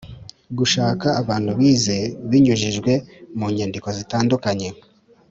Gushaka abantu bize binyujijwe mu nyandiko zitandukanye